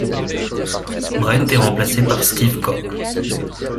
Brent est remplacé par Steve Koch.